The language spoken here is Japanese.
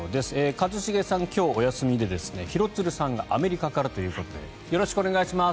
一茂さんは今日お休みで廣津留さんがアメリカからということでよろしくお願いします。